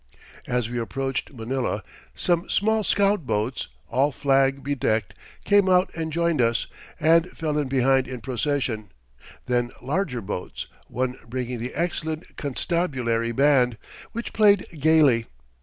] As we approached Manila, some small scout boats, all flag bedecked, came out and joined us, and fell in behind in procession, then larger boats, one bringing the excellent Constabulary Band, which played gaily.